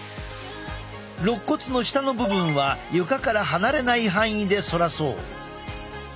ろっ骨の下の部分は床から離れない範囲で反らそう。